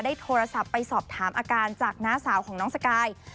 โทรศัพท์ไปสอบถามอาการจากน้าสาวของน้องสกาย